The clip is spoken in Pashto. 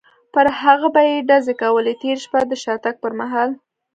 پر هغه به یې ډزې کولې، تېره شپه د شاتګ پر مهال.